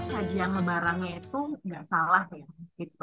sajian lebarannya itu nggak salah ya